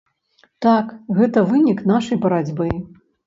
Так, гэта вынік нашай барацьбы.